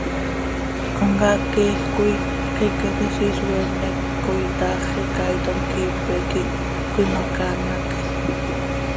Comcaac queeej coi xicaquiziil oeenec coi, taax icaiitim quih quiipe quih cöimacaanatj.